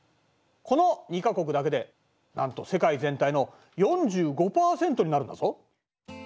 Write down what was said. この２か国だけでなんと世界全体の４５％になるんだぞ。